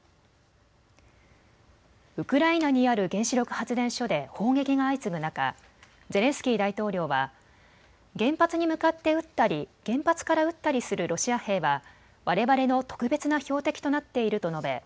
ウクライナにある原子力発電所で砲撃が相次ぐ中、ゼレンスキー大統領は原発に向かって撃ったり原発から撃ったりするロシア兵はわれわれの特別な標的となっていると述べ